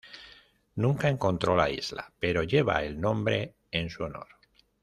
Nunca encontró la isla, pero lleva el nombre en su honor.